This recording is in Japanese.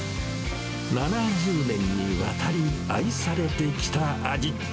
７０年にわたり愛されてきた味。